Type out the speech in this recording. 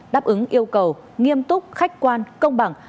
đáp ứng yêu cầu nghiêm túc khách quan công bằng